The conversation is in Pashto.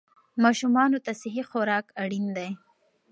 ماشومان ته صحي خوراک اړین دی.